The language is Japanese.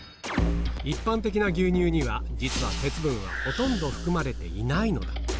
一般的な牛乳には、実は鉄分はほとんど含まれていないのだ。